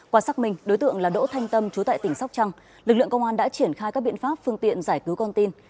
quả sắc mình đối tượng là đỗ thanh tâm trú tại tỉnh sóc trăng lực lượng công an đã triển khai các biện pháp phương tiện giải cứu con tin